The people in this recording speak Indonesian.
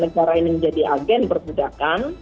negara ini menjadi agen perbudakan